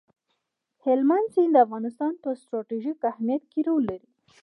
هلمند سیند د افغانستان په ستراتیژیک اهمیت کې رول لري.